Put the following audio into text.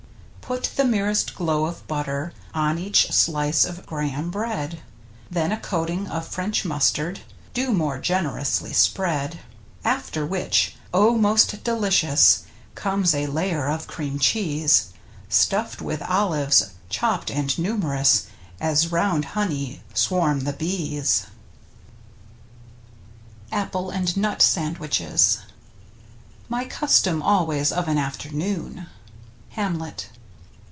Put the merest glow of butter On each sHce of Graham bread, Then a coating of French mustard Do more generously spread. After which — oh ! most delicious — Comes a layer of cream cheese, Stuffed with olives, chopped and num' rous, As round honey swarm the bees. r$S^ 67 ^^ 55/ i^Jj^mirti 3^tcei|itfii APPLE AND NUT SAND WICHES My custom always of an afternoon. — Hamlet.